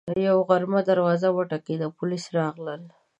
یوه غرمه دروازه وټکېده، پولیس راغلل